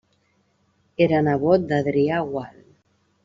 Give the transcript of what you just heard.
Era nebot d'Adrià Gual.